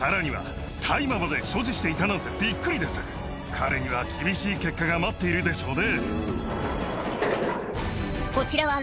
彼には厳しい結果が待っているでしょうね。